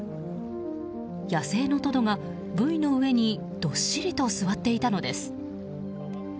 野生のトドがブイの上にどっしりと座っていたのです。